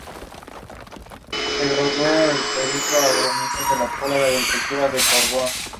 Ambos están basados en la rumba.